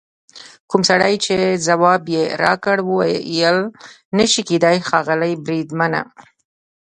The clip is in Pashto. کوم سړي چې ځواب یې راکړ وویل: نه شي کېدای ښاغلي بریدمنه.